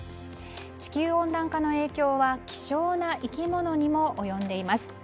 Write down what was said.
地球温暖化の影響は希少な生き物にも及んでいます。